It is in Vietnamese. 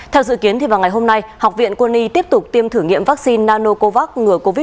theo dự kiến vào ngày hôm nay học viện quân y tiếp tục tiêm thử nghiệm vaccine nanocovax ngừa covid một mươi chín